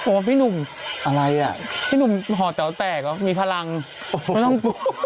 โอ๊ยพี่หนุ่มพี่หนุ่มหอเต๋าแตกเหรอมีพลังไม่ต้อง